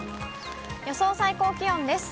予想最高気温です。